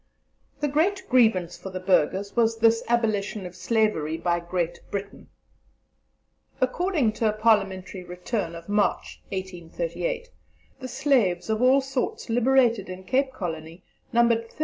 The great grievance for the Burghers was this abolition of slavery by Great Britain. According to a Parliamentary Return of March, 1838, the slaves of all sorts liberated in Cape Colony numbered 35,750.